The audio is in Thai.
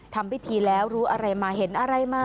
ทำพิธีแล้วรู้อะไรมาเห็นอะไรมา